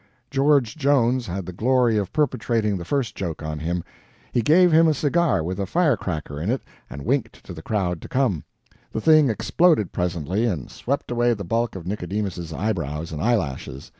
George Jones had the glory of perpetrating the first joke on him; he gave him a cigar with a firecracker in it and winked to the crowd to come; the thing exploded presently and swept away the bulk of Nicodemus's eyebrows and eyelashes.